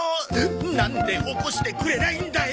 なんで起こしてくれないんだよ。